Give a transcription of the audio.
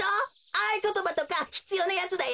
あいことばとかひつようなやつだよ。